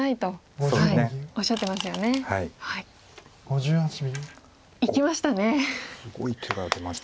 おっすごい手が出ました。